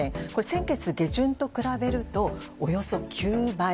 先月下旬と比べるとおよそ９倍。